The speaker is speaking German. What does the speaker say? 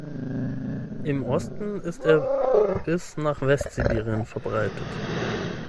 Im Osten ist er bis nach Westsibirien verbreitet.